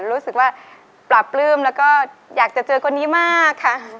รู้สึกว่าปราบปลื้มแล้วก็อยากจะเจอคนนี้มากค่ะ